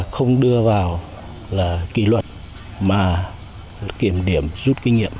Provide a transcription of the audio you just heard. không đưa vào kỳ luật mà kiểm điểm rút kinh nghiệm